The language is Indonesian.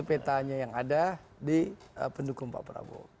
petanya yang ada di pendukung pak prabowo